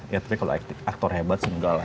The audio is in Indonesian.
ya tapi kalau aktor hebat semoga lah ya